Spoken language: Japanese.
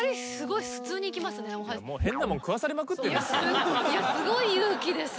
いやすごい勇気です。